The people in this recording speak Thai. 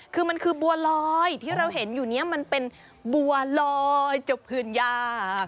คือมันคือบัวลอยที่เราเห็นอยู่นี้มันเป็นบัวลอยจบพื้นยาก